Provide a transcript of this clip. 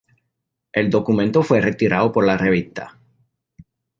El documento fue retirado por la revista.